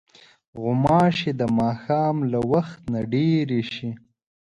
غوماشې د ماښام له وخت نه ډېرې شي.